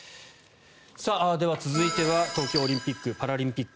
では続いては東京オリンピック・パラリンピック。